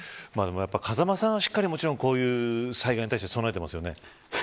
風間さんはしっかりもちろんこういう災害に対して備えてますよね。